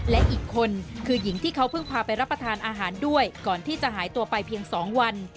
และอีกคนคือหญิงที่เขาเพิ่งพาไปรับประทานอาหารด้วยก่อนที่จะหายตัวไปเพียง๒วัน